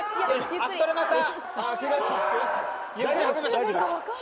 足取れました。